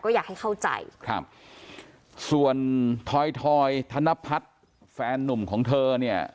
ก็อยากให้เข้าใจครับส่วนถอยธรรมพัชแฟนนุ่มของเธอนี่